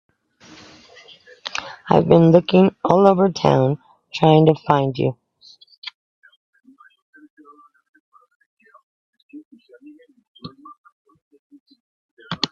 I've been looking all over town trying to find you.